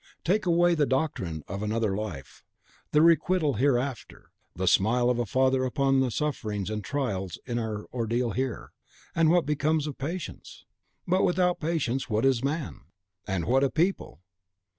Take away the doctrine of another life, of requital hereafter, of the smile of a Father upon our sufferings and trials in our ordeal here, and what becomes of patience? But without patience, what is man? and what a people?